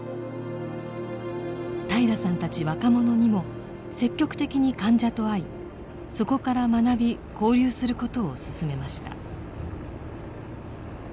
平良さんたち若者にも積極的に患者と会いそこから学び交流することを勧めました。